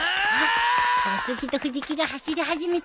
あっ小杉と藤木が走り始めたよ。